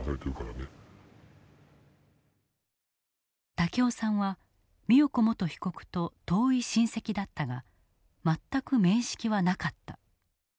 武雄さんは美代子元被告と遠い親戚だったが全く面識はなかった。